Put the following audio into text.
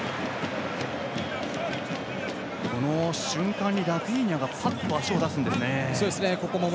この瞬間にラフィーニャが足を出すんですね。